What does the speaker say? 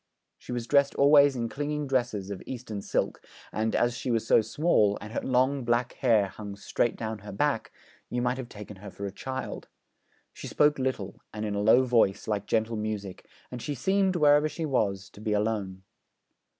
She was dressed always in clinging dresses of Eastern silk, and, as she was so small, and her long black hair hung straight down her back, you might have taken her for a child. She spoke little, and in a low voice, like gentle music; and she seemed, wherever she was, to be alone.